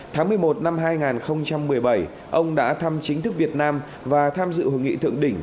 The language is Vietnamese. tháng một mươi một năm hai nghìn một mươi bảy ông đã thăm chính thức việt nam và tham dự hội nghị thượng đỉnh